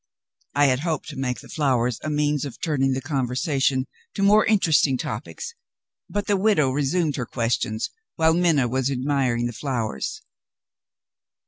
I had hoped to make the flowers a means of turning the conversation to more interesting topics. But the widow resumed her questions, while Minna was admiring the flowers.